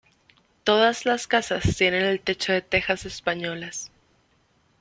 Todas las casas tienen el techo de tejas españolas.